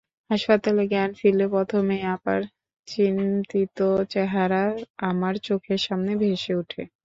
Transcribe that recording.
হাসপাতালে জ্ঞান ফিরলে প্রথমেই আপার চিন্তিত চেহারা আমার চোখের সামনে ভেসে ওঠে।